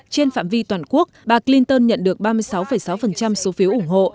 trên phạm vi toàn quốc bà clinton nhận được ba mươi sáu sáu số phiếu ủng hộ